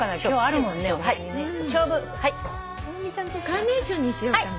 「カーネーション」にしようかな。